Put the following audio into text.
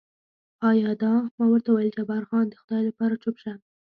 ایا دا؟ ما ورته وویل جبار خان، د خدای لپاره چوپ شه.